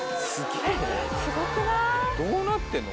どうなってんの？